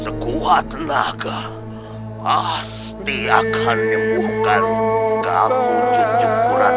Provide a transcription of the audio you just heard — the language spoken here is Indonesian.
sekuat naga pasti akan nyembuhkan kamu cucuk kurang